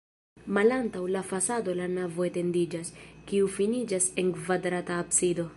Malantaŭ la fasado la navo etendiĝas, kiu finiĝas en kvadrata absido.